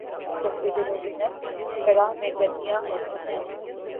جبکہ جنوبی نصف کرہ میں گرمیاں ہوتی ہیں